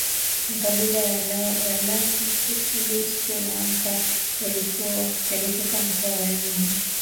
Makabila ya Lahu Lisu na Akha yalitoka mkoa wa Yunnan